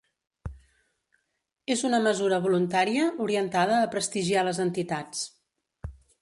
És una mesura voluntària, orientada a prestigiar les entitats.